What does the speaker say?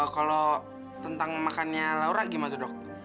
kalau tentang makannya laura gimana tuh dok